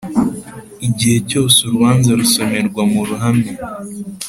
Igihe cyose urubanza rusomerwa mu ruhame